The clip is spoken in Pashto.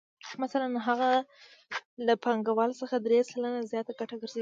مثلاً هغه له پانګوال څخه درې سلنه زیاته ګټه ګرځوي